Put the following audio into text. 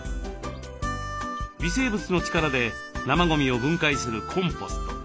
微生物の力で生ゴミを分解するコンポスト。